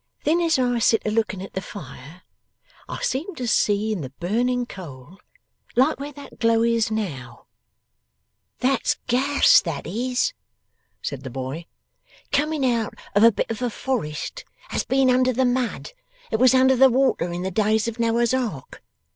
Then as I sit a looking at the fire, I seem to see in the burning coal like where that glow is now ' 'That's gas, that is,' said the boy, 'coming out of a bit of a forest that's been under the mud that was under the water in the days of Noah's Ark.